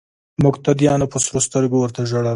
مقتدیانو په سرو سترګو ورته ژړل.